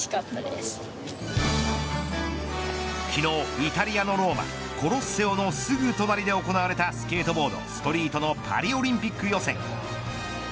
昨日、イタリアのローマコロッセオのすぐ隣で行われたスケートボードストリートのパリオリンピック予選。